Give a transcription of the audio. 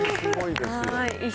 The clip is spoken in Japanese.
すごいですよ。